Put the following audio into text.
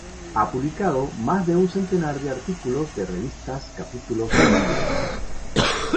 Ha publicado más de un centenar de artículos de revistas, capítulos y libros.